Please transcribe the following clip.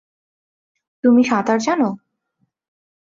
তুমি সাঁতার জানো?